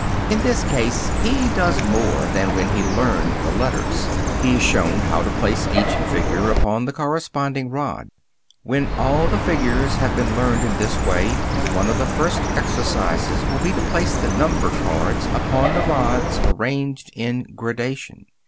In this case he does more than when he learned the letters; he is shown how to place each figure upon the corresponding rod. When all the figures have been learned in this way, one of the first exercises will be to place the number cards upon the rods arranged in gradation.